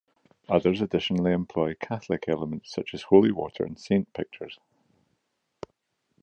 Others additionally employ Catholic elements, such as holy water and saint pictures.